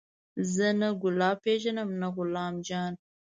زه نه ګلاب پېژنم نه غلام جان.